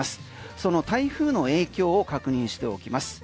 その台風の影響を確認しておきます。